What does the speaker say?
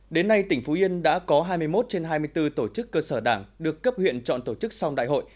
đến nay tỉnh phú yên đã có hai mươi một trên hai mươi bốn tổ chức cơ sở đảng được cấp huyện chọn tổ chức song đại hội